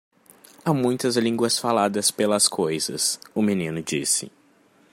"Há muitas línguas faladas pelas coisas?" o menino disse.